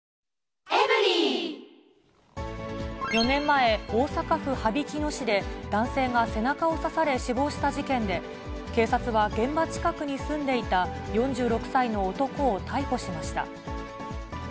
４年前、大阪府羽曳野市で男性が背中を刺され、死亡した事件で、警察は現場近くに住んでいた４６歳の男を逮捕しました。